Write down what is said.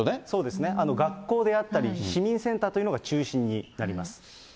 そうですね、学校であったり、市民センターというのが中心になります。